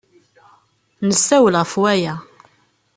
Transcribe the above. Nessawel ɣef waya.